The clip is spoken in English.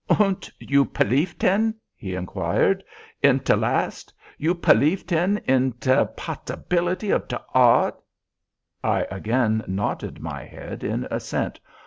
"Und you pelief, ten," he inquired, "at te last? You pelief, ten, in te possibility of te odd?" I again nodded my head in assent.